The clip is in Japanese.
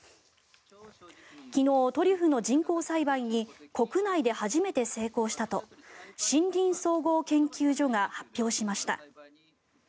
昨日、トリュフの人工栽培に国内で初めて成功したと森林総合研究所が発表しました。